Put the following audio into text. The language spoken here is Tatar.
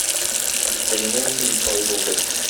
Киткәненә инде ике ай булды.